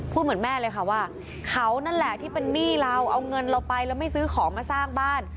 เหมือนแม่เลยค่ะว่าเขานั่นแหละที่เป็นหนี้เราเอาเงินเราไปแล้วไม่ซื้อของมาสร้างบ้าน